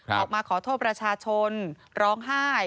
ออกมาขอโทษประชาชนร้องไห้